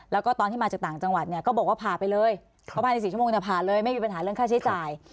แล้วก็ตอนที่มาจากต่างจังหวัดเนี่ยก็บอกว่าผ่าไปเลยเพราะภายใน๔ชั่วโมงเนี่ยผ่าเลยไม่มีปัญหาเรื่องค่าใช้จ่าย